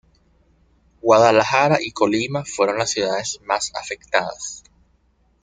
Guadalajara y Colima fueron las ciudades más afectadas.